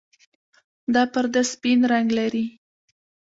دا پرده سپین رنګ لري.